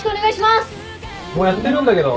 もうやってるんだけど。